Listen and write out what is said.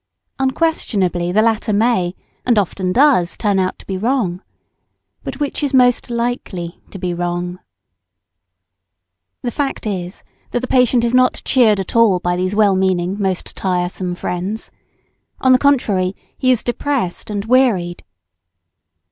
Unquestionably the latter may, and often does, turn out to be wrong. But which is most likely to be wrong? [Sidenote: Patient does not want to talk of himself.] The fact is, that the patient is not "cheered" at all by these well meaning, most tiresome friends. On the contrary, he is depressed and wearied.